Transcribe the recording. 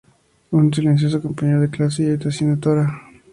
Un silencioso compañero de clase y de habitación de Tora.